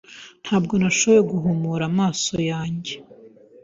Ntabwo nashoboye guhumura amaso yanjye.